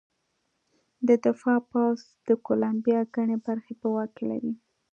د دفاع پوځ د کولمبیا ګڼې برخې په واک کې لرلې.